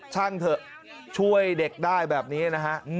เถอะช่วยเด็กได้แบบนี้นะฮะ